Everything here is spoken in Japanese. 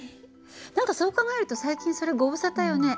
何かそう考えると最近それご無沙汰よね。